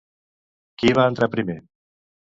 Qui va entrar primer?